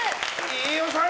飯尾さん。